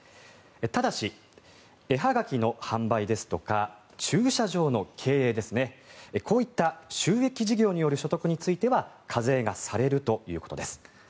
ただし、絵はがきの販売ですとか駐車場の経営こういった収益事業による所得については課税がされるということです。